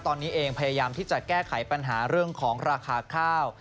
ตอนนี้เองพยายามที่จะแก้ไขปัญหาเรื่องของราคาข้าว